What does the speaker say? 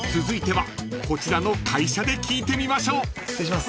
［続いてはこちらの会社で聞いてみましょう］